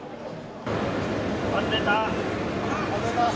外れたー。